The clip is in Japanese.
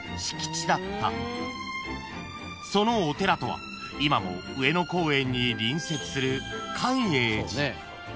［そのお寺とは今も上野公園に隣接する］